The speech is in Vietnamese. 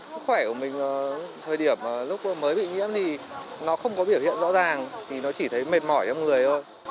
sức khỏe của mình thời điểm lúc mới bị nhiễm thì nó không có biểu hiện rõ ràng thì nó chỉ thấy mệt mỏi trong người thôi